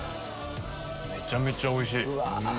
めちゃめちゃおいしい！